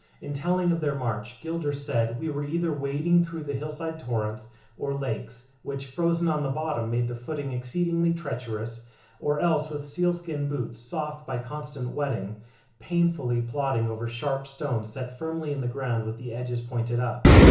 In telling of their march Gilder said, "We were either wading through the hillside torrents or lakes, which, frozen on the bottom, made the footing exceedingly treacherous, or else with sealskin boots, soft by constant wetting, painfully plodding over sharp stones set firmly in the ground with the edges pointed up.